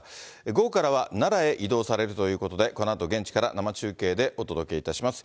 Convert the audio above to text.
午後からは奈良へ移動されるということで、このあと、現地から生中継でお届けします。